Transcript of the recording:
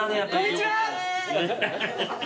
こんにちは！